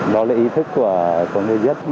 đó là ý thức của người dân